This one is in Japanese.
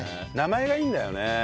名前がいいんだよね。